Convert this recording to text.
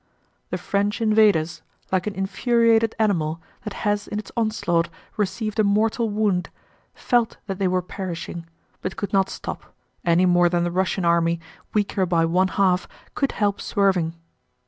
The French invaders, like an infuriated animal that has in its onslaught received a mortal wound, felt that they were perishing, but could not stop, any more than the Russian army, weaker by one half, could help swerving.